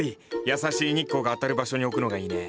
優しい日光が当たる場所に置くのがいいね。